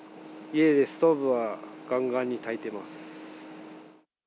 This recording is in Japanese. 家でストーブはがんがんにたいてます。